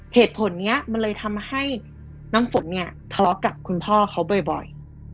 เหตุผลนี้มันเลยทำให้น้ำฝนเนี่ยทะเลาะกับคุณพ่อเขาบ่อย